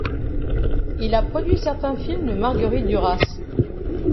Il a produit certains films de Marguerite Duras.